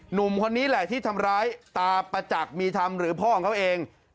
หนุ่มคนนี้แหละที่ทำร้ายตาประจักษ์มีธรรมหรือพ่อของเขาเอง